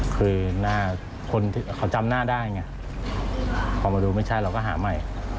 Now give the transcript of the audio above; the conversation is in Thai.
คือหน้าคนที่เขาจำหน้าได้ไงพอมาดูไม่ใช่เราก็หาใหม่